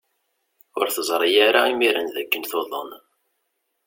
Ur teẓri ara imiren d akken tuḍen.